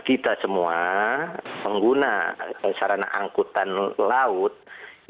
kita semua pengguna sarana angkutan laut ini adalah perhatian yang harus kita lakukan